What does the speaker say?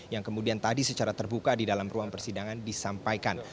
yang kemudian tadi secara terbuka di dalam ruang persidangan disampaikan